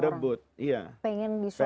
pengen di soft yang depan